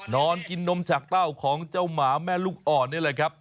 นอนกินนมจากเต้าของเจ้าหมาแม่ลูกอ่อนนี่แหละครับ